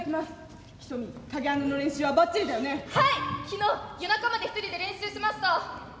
昨日夜中まで１人で練習しました。